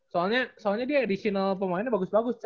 soalnya soalnya di additional pemainnya bagus bagus